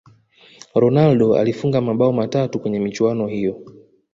ronaldo alifunga mabao matatu kwenye michuano hiyo